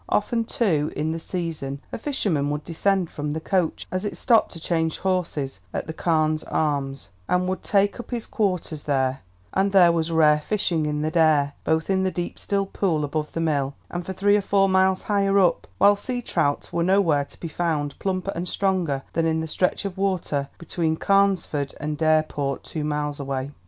Often, too, in the season, a fisherman would descend from the coach as it stopped to change horses at the "Carne's Arms" and would take up his quarters there, for there was rare fishing in the Dare, both in the deep still pool above the mill and for three or four miles higher up, while sea trout were nowhere to be found plumper and stronger than in the stretch of water between Carnesford and Dareport, two miles away.